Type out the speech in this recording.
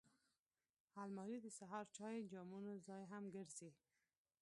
الماري د سهار د چای جامونو ځای هم ګرځي